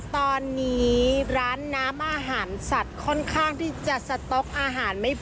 ตอนนี้ร้านน้ำอาหารสัตว์ค่อนข้างที่จะสต๊อกอาหารไม่พอ